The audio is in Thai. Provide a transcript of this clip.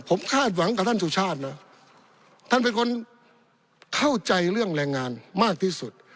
ผมคาดหวังกับท่านสุชาตินะท่านเป็นคนเข้าใจเรื่องแรงงานมากที่สุด